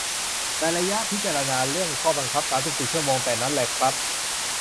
ในระยะการพิจารณาเรื่องข้อบังคับ สามสิบสี่ ชั่วโมง แต่นั้นแหละครับ